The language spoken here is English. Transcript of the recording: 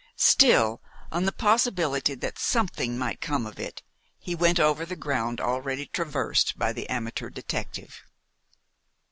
Still, on the possibility that something might come of it, he went over the ground already traversed by the amateur detective.